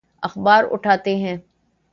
اخبار اٹھاتے ہیں۔